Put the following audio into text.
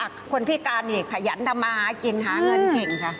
ค่ะคนพี่กานี่ขยันธมากินหาเงินเก่งค่ะ